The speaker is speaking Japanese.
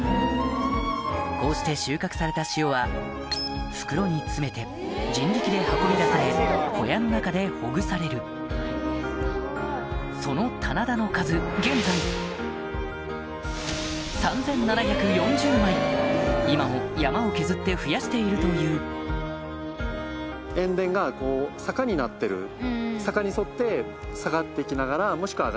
こうして収穫された塩は袋に詰めて人力で運び出され小屋の中でほぐされるその棚田の数現在今も山を削って増やしているというと思います。